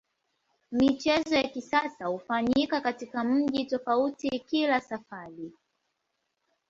Michezo ya kisasa hufanyika katika mji tofauti kila safari.